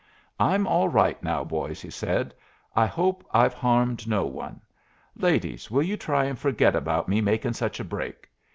"I'm all right now, boys," he said. "I hope I've harmed no one. Ladies, will you try and forget about me making such a break?